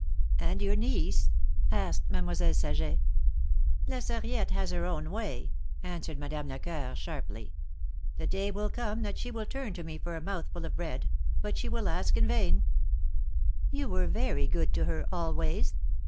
^^And your niece ?" asked Mademoiselle Saget. ^^La Sarriette has her own way," answered Madame Lecoeur, sharply. The day will come that she will turn to me for a mouthful of bread, but she will ask in vain !" ^^You were very good to her always.